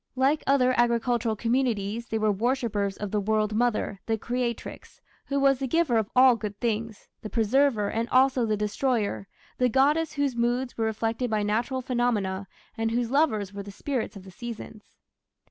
Like other agricultural communities they were worshippers of the "World Mother", the Creatrix, who was the giver of all good things, the "Preserver" and also the "Destroyer" the goddess whose moods were reflected by natural phenomena, and whose lovers were the spirits of the seasons.